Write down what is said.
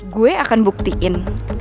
gue akan buktiin